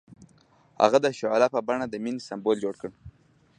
هغه د شعله په بڼه د مینې سمبول جوړ کړ.